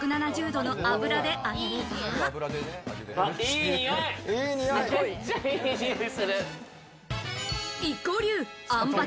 １７０度の油で揚げれば。